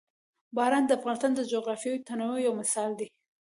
باران د افغانستان د جغرافیوي تنوع یو مثال دی.